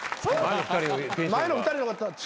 前の二人の方。